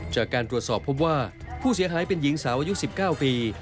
จากการตรวจสอบพบว่าผู้เสียหายเป็นหญิงสาวอายุ๑๙ปี